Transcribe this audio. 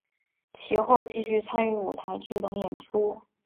其后继续参与舞台剧等演出。